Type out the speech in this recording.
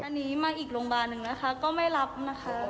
อันนี้มาอีกโรงพยาบาลหนึ่งนะคะก็ไม่รับนะคะ